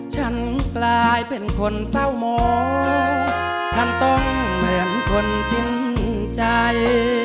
ฉันกลายเป็นคนเศร้าหมอฉันต้องเหมือนคนสิ้นใจ